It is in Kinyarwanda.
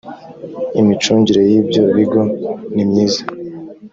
imicungire y ibyo bigo nimyiza